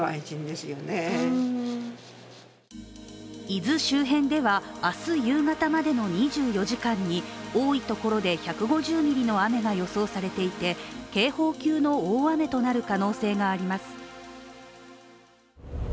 伊豆周辺では明日夕方までの２４時間に多いところで１５０ミリの雨が予想されていて警報級の大雨となる可能性があります。